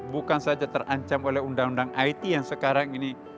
bukan saja terancam oleh undang undang it yang sekarang ini